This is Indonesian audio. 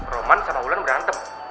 rahmat sama ular berantem